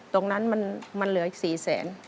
ตรงนั้นมันเหลืออีก๔แสน